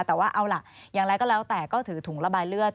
แต่ว่าเอาล่ะอย่างไรก็แล้วแต่ก็ถือถุงระบายเลือด